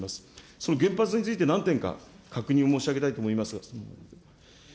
その原発について、何点か確認を申し上げたいと思いますが。